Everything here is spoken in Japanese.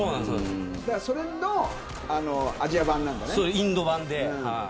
それのアジア版なんだね。